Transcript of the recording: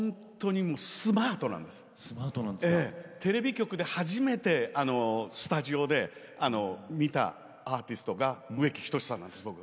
テレビ局で初めてスタジオで見たアーティストが植木等さんなんです僕。